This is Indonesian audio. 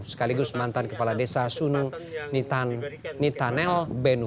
sekaligus mantan kepala desa sunu nitanel benu